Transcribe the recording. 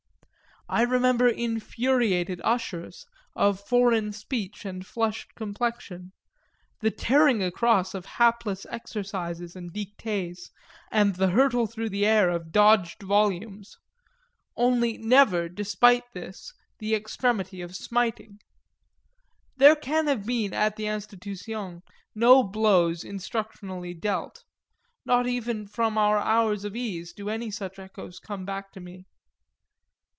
I remember infuriated ushers, of foreign speech and flushed complexion the tearing across of hapless "exercises" and dictées and the hurtle through the air of dodged volumes; only never, despite this, the extremity of smiting. There can have been at the Institution no blows instructionally dealt nor even from our hours of ease do any such echoes come back to me.